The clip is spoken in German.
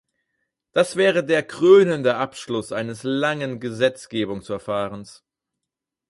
Das wäre der krönende Abschluss eines langen Gesetzgebungsverfahrens.